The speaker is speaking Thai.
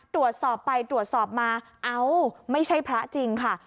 ตรวจสอบไปตรวจสอบมาเอ้าไม่ใช่พระจริงค่ะ